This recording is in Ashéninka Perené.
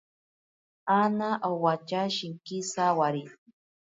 Ana owacha shinki sawari.